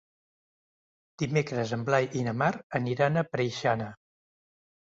Dimecres en Blai i na Mar aniran a Preixana.